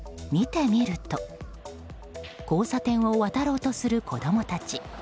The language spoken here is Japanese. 見てみると交差点を渡ろうとする子供たち。